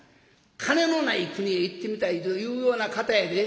金のない国へ行ってみたいと言うような方やで」。